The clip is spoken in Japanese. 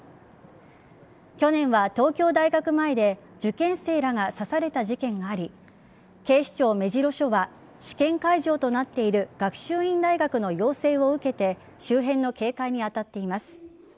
去年は東京大学前で受験生らが刺された事件があり警視庁目白署は試験会場となっている学習院大学の要請を受けて周辺の警戒に当たっています。